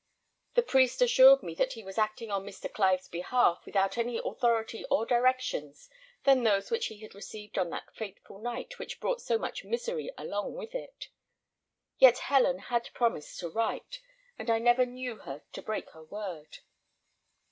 The priest assured me that he was acting on Mr. Clive's behalf without any other authority or directions than those which he had received on that fatal night which brought so much misery along with it. Yet Helen had promised to write, and I never knew her break her word.